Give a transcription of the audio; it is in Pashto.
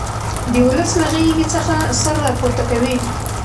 د ولس له غېږې څخه سر را پورته کوي.